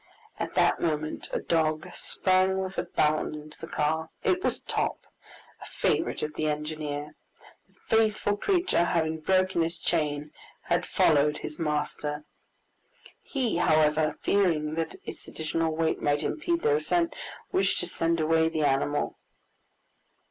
At that moment a dog sprang with a bound into the car. It was Top, a favorite of the engineer. The faithful creature, having broken his chain, had followed his master. He, however, fearing that its additional weight might impede their ascent, wished to send away the animal.